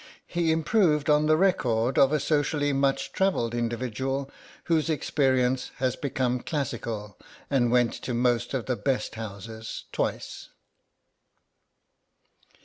He improved on the record of a socially much travelled individual whose experience has become classical, and went to most of the best houses—twice.